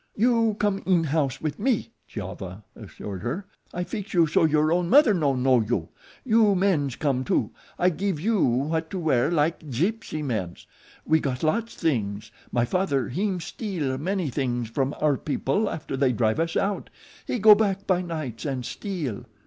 "You come in house with me," Giova assured her, "I feex you so your own mother no know you. You mens come too. I geeve you what to wear like Gypsy mens. We got lots things. My father, him he steal many things from our people after they drive us out. He go back by nights an' steal."